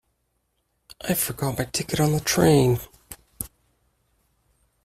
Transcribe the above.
I forgot my ticket on the train.